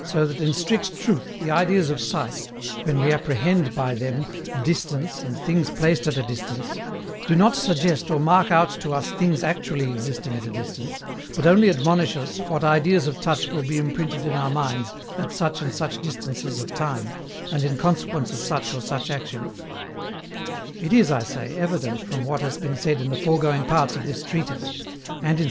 So that in strict truth the ideas of sight, when we apprehend by them distance and things placed at a distance, do not suggest or mark out to us things ACTUALLY existing at a distance, but only admonish us what ideas of touch will be imprinted in our minds at such and such distances of time, and in consequence of such or such actions. It is, I say, evident from what has been said in the foregoing parts of this Treatise, and in sect.